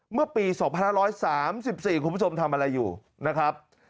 เมื่อปี๒๕๓๔คุณผู้ชมทำอะไรอยู่นะครับ